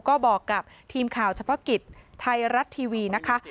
ก็บอกกับทีมข่าวเฉพาะกิจไทยรัฐทีวีนะคะ